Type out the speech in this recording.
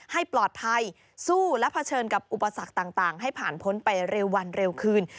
ให้ปลอดภัยสู้และเผชิญกับอุปสรรคต่างให้ผ่านพ้นไปเร็ววันเร็วคืน